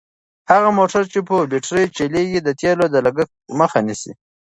هغه موټر چې په بېټرۍ چلیږي د تېلو د لګښت مخه نیسي.